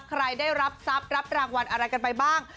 ใครได้รับทรัพย์รับรางวัลอะไรกันไปบ้าง